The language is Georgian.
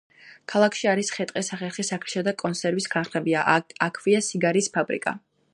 ქალაქში არის ხე-ტყის სახერხი, შაქრისა და კონსერვის ქარხნები; აქვეა სიგარის ფაბრიკა.